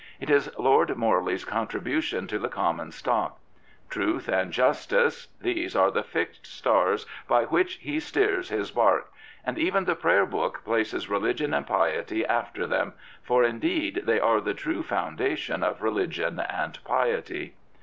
It is Lord Morley's contribution to the common stock. Truth and Justice — these are the fixed stars by which he steers his barque, and even the Prayer Book places Religion and Piety after them, for indeed they are the true foundation of religion and piety.